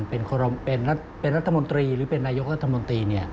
เป็นรัฐมนตรีหรือเป็นนายกรัฐมนตรี